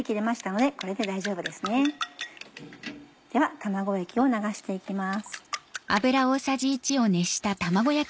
では卵液を流して行きます。